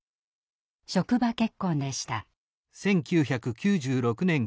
職場結婚でした。